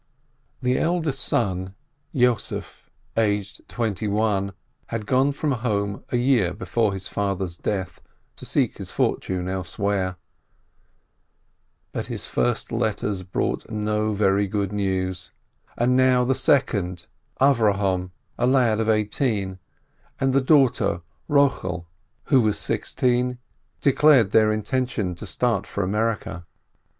The eldest son, Yossef, aged twenty one, had gone from home a year before his father's death, to seek his fortune elsewhere; but his first letters brought no very good news, and now the second, Avrohom, a lad of eighteen, and the daughter Eochel, who was sixteen, declared their intention to start for America.